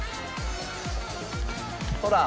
ほら。